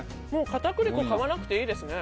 片栗粉買わなくていいですね。